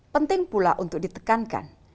penting pula untuk ditekankan